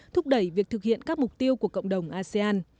thúc đẩy việc thực hiện các mục tiêu của cộng đồng asean